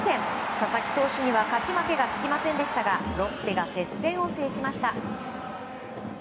佐々木投手には勝ち負けがつきませんでしたがロッテが接戦を制しました。